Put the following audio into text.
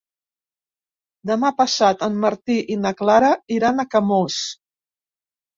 Demà passat en Martí i na Clara iran a Camós.